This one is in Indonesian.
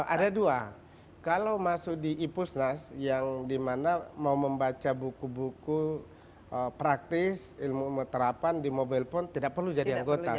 ada dua kalau masuk di ipusnas yang dimana mau membaca buku buku praktis ilmu terapan di mobile phone tidak perlu jadi anggota